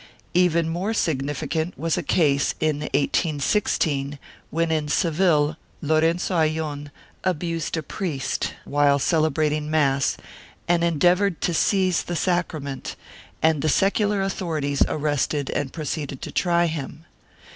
2 Even more significant was a case, in 1816, when in Seville Lorenzo Ayllon abused a priest while celebrating mass and endeavored to seize the sacrament, and the secular authorities arrested and proceeded to try him.